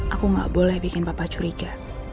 aku gak boleh bikin papa curiga